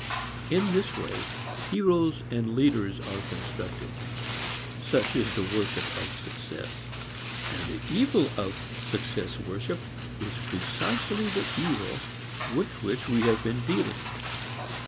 In this way heroes and leaders are constructed. Such is the worship of success. And the evil of success worship is precisely the evil with which we have been dealing.